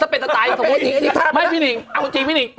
พี่หนิง